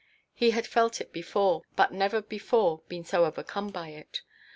He had felt it before, but never before been so overcome by it.